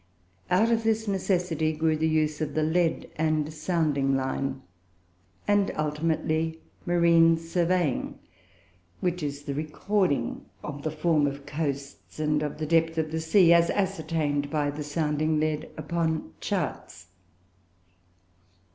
Out of this necessity grew the use of the lead and sounding line; and, ultimately, marine surveying, which is the recording of the form of coasts and of the depth of the sea, as ascertained by the sounding lead, upon charts.